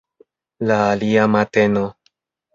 La alia mateno.